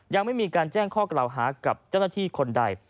ยังไม่มีการแจ้งข้อกล่าวหากับเจ้าหน้าที่คนใด